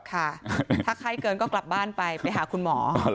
ค่ะถ้าไข้เกินก็กลับบ้านไปไปหาคุณหมอ